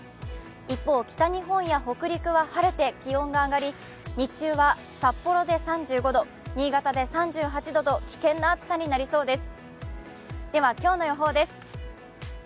一方、北日本や北陸は晴れて気温が上がり、日中は札幌で３５度、新潟で３８度と危険な暑さになりそうです。